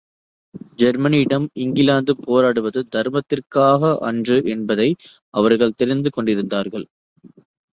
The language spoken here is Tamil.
ஜெர்மனியுடன் இங்கிலாந்து போராடுவது தர்மத்திற்காக அன்று என்பதை அவர்கள் தெரிந்து கொண்டிருந்தார்கள்.